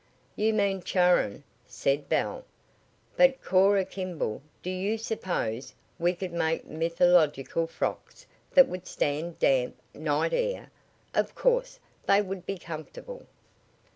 "You mean Charon," said Belle. "But, Cora Kimball, do you suppose we could make mythological frocks that would stand damp, night air? Of course, they would be comfortable."